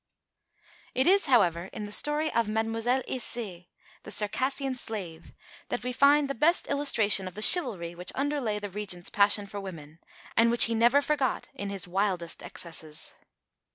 It is, however, in the story of Mademoiselle Aissé, the Circassian slave, that we find the best illustration of the chivalry which underlay the Regent's passion for women, and which he never forgot in his wildest excesses.